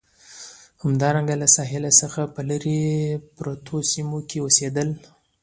همدارنګه له ساحل څخه په لرې پرتو سیمو کې اوسېدل.